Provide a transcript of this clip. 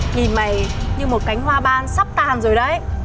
nhìn mày như một cánh hoa ban sắp tan rồi đấy